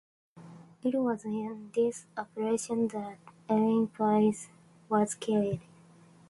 It was in this operation that Ernie Pyle was killed.